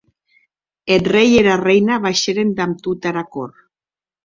Eth rei e era reina baishen damb tota era cort.